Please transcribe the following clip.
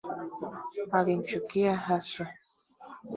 Alimchukia haswa